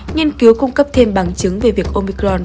nghiên cứu cung cấp thêm bằng chứng về việc omicron